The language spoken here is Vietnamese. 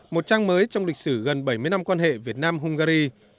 một trang mới trong lịch sử gần bảy mươi năm quan hệ việt nam hungary